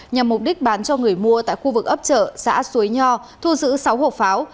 nhằm mục đích bán cho người mua tại khu vực ấp trợ xã suối nho thu giữ sáu hộp pháo